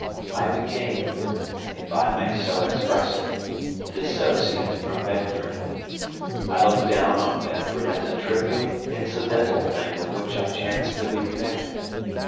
I became, if I may so express it, dissociate from Bedford; I looked down on Bedford as a trivial, incidental thing with which I chanced to be connected.